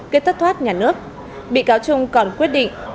kết thất thoát nhà nước bị cáo trung còn quyết định